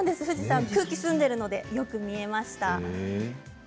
はい、空気が澄んでいるのでよく見えました。